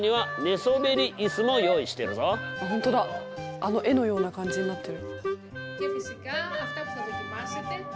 あの絵のような感じになってる。